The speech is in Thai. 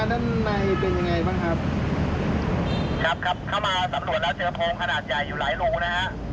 ครับเข้ามาสำรวจแล้วเจอโพงขนาดใหญ่อยู่หลายรูนะครับ